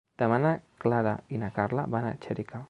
Demà na Clara i na Carla van a Xèrica.